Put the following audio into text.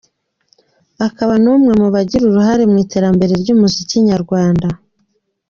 akaba numwe mubagira uruhare mu iterambere ryumuziki nyarwanda.